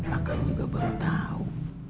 aku juga baru tau